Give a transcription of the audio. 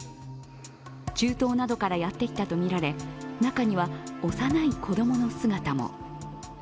中東などからやってきたとみられ中には幼い子供の姿も。